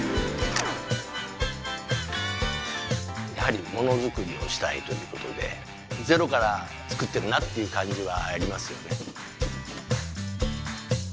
やはりもの作りをしたいということでゼロから作ってるなっていうかんじはありますよね。